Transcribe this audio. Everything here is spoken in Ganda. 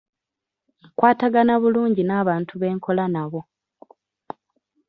Nkwatagana bulungi n'abantu be nkola nabo.